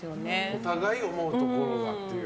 お互い思うところがっていう。